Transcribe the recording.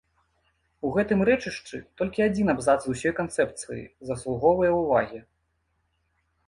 У гэтым рэчышчы толькі адзін абзац з усёй канцэпцыі заслугоўвае ўвагі.